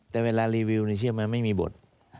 แต่เวลารีวิวเนี่ยเชื่อมั้ยไม่มีบท